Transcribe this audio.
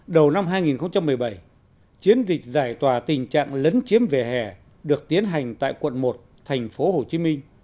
đầu năm hai nghìn một mươi bảy chiến dịch giải tòa tình trạng lấn chiếm về hè được tiến hành tại quận một tp hcm